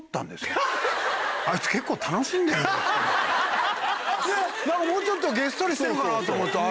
ねっもうちょっとげっそりしてるかなと思ったら。